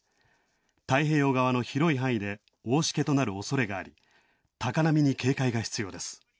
太平洋側の広い範囲で大しけとなるおそれがあり、高波に警戒が必要です。